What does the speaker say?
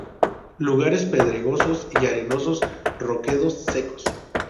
Lugares pedregosos y arenosos, roquedos secos.